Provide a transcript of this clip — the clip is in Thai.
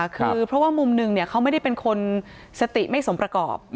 คือเพราะว่ามุมหนึ่งเขาไม่ได้เป็นคนสติไม่สมประกอบ